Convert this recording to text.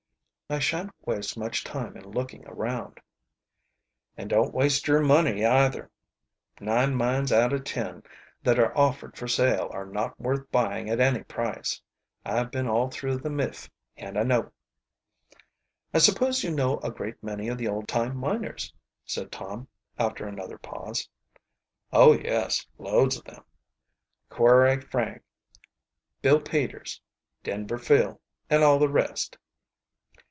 "I shan't waste much time in looking around." "And don't waste your money either. Nine mines out of ten that are offered for sale are not worth buying at any price. I've been all through the miff and I know." "I suppose you know a great many of the old time miners?" said Tom, after another pause. "Oh, yes, loads of them, Quray Frank, Bill Peters, Denver Phil, and all the rest."